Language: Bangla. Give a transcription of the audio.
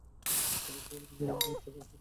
সাজ্জাদ তোমার পিছনে বার্থের ওপর বসে আছে।